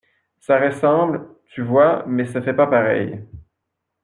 Ça ressemble, tu vois, mais ça fait pas pareil!